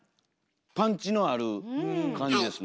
パンチのある感じですね。